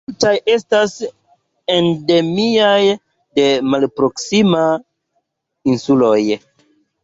Multaj estas endemiaj de malproksimaj insuloj.